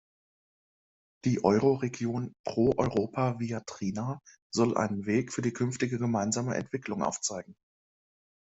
Die Euroregion Pro Europa Viadrina soll einen Weg für die künftige gemeinsame Entwicklung aufzeigen.